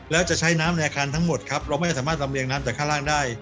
แล้วจะใช้น้ำในอาคารทั้งหมดครับเราไม่สามารถลำเรียงน้ำจากข้างล่างได้